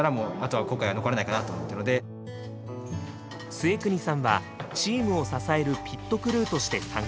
陶國さんはチームを支えるピットクルーとして参加。